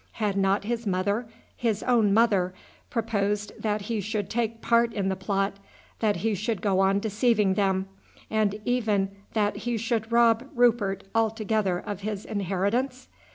Had not his mother, his own mother, proposed that he should take part in the plot, that he should go on deceiving them, and even that he should rob Rupert altogether of his inheritance?